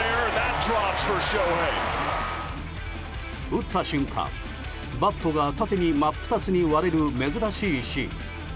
打った瞬間バットが縦に真っ二つに割れる珍しいシーン。